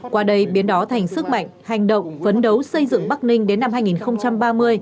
qua đây biến đó thành sức mạnh hành động phấn đấu xây dựng bắc ninh đến năm hai nghìn ba mươi